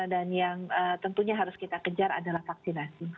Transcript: yang tentunya harus kita kejar adalah vaksinasi